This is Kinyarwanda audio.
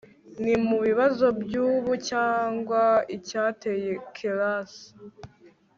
ni mubibazo byubu cyangwa icyateye keras